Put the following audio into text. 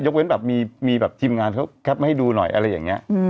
เว้นแบบมีแบบทีมงานเขาแคปมาให้ดูหน่อยอะไรอย่างนี้